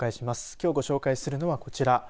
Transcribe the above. きょうご紹介するのはこちら。